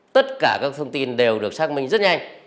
tất cả các thông tin đều được xác minh rất nhanh